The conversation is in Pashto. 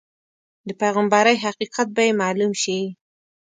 د پیغمبرۍ حقیقت به یې معلوم شي.